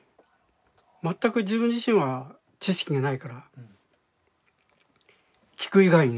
全く自分自身は知識がないから聞く以外にない。